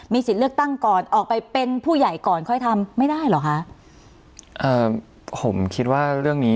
มีสิทธิ์เลือกตั้งก่อนออกไปเป็นผู้ใหญ่ก่อนค่อยทำ